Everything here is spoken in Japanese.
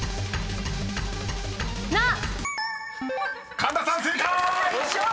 ［神田さん正解！］